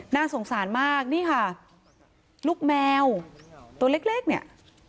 น่าสงสารมากนี่ค่ะลูกแมวตัวเล็กเนี่ย